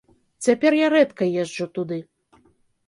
Цяпер я рэдка езджу туды.